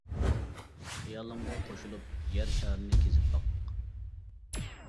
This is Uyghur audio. خىيالىمغا قوشۇلۇپ، يەر شارىنى كېزىپ باق.